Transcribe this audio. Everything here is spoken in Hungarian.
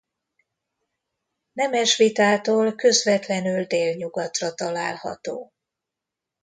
Nemesvitától közvetlenül délnyugatra található.